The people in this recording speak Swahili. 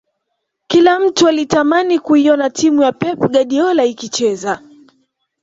Kila mtu alitamani kuiona timu ya pep guardiola ikicheza